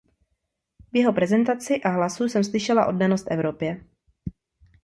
V jeho prezentaci a hlasu jsem slyšela oddanost Evropě.